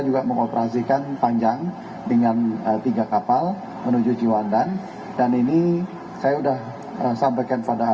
juga mengoperasikan panjang dengan tiga kapal menuju jiwandan dan ini saya sudah sampaikan pada